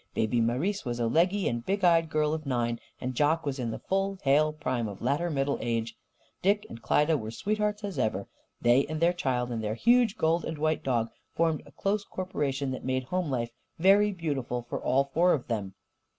Baby Marise was a leggy and big eyed girl of nine, and Jock was in the full hale prime of latter middle age. Dick and Klyda were sweethearts, as ever. They and their child and their huge gold and white dog formed a close corporation that made home life very beautiful for all four of them.